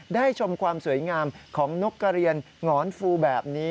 ได้ชมความสวยงามของนกกระเรียนหงอนฟูแบบนี้